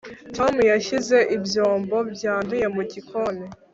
tom yashyize ibyombo byanduye mu gikoni